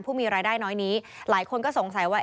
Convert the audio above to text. ผู้มีรายได้น้อยนี้หลายคนก็สงสัยว่า